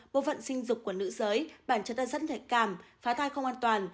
bộ phận sinh dục của nữ giới bản chất rất thải cảm phá thai không an toàn